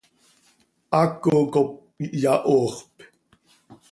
Haaco cop iyahooxp.